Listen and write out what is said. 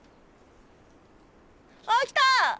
あっきた！